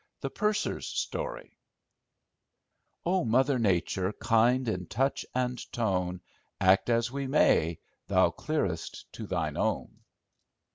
The Purser's Story "O Mother nature, kind in touch and tone. Act as we may, thou clearest to thine own."